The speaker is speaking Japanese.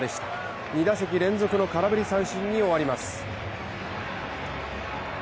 ２打席連続空振り三振に終わります